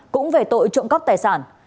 cũng về tội trộm cắp tài sản